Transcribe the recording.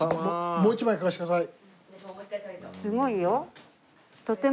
もう一枚書かせてください。